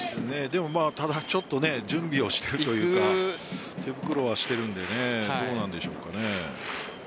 でもただ、ちょっと準備をしているというか手袋はしているのでどうなんでしょうかね。